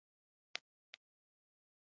هغه انصاف وکړ او سید یې خوشې کړ.